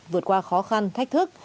vượt qua khó khăn thách thức